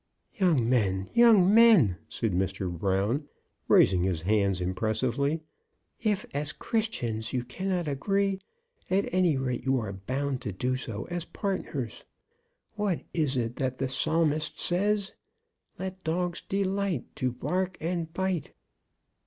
"Young men, young men," said Mr. Brown, raising his hands impressively, "if as Christians you cannot agree, at any rate you are bound to do so as partners. What is it that the Psalmist says, 'Let dogs delight, to bark and bite